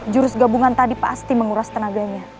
jurus gabungan tadi pasti menguras tenaganya